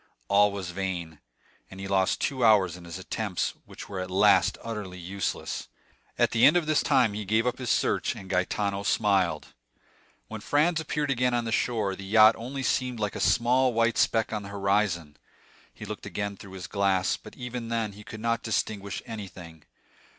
All was vain; and he lost two hours in his attempts, which were at last utterly useless. At the end of this time he gave up his search, and Gaetano smiled. When Franz appeared again on the shore, the yacht only seemed like a small white speck on the horizon. He looked again through his glass, but even then he could not distinguish anything.